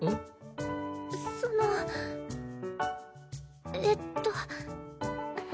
その。えっと。